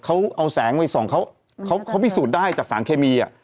เขาเอาแสงไปส่องเขาเขาพิสูจน์ได้จากสารเคมีอ่ะ